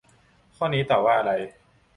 ข้อนี้ตอบว่าอะไร